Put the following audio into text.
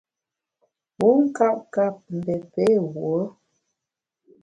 Wu nkap kap, mbé pé wuo ?